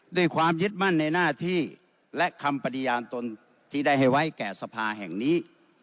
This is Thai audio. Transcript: ด้วยความยึดมั่นในหน้าที่และคำปฏิญาณตนที่ได้ให้ไว้แก่สภาแห่งนี้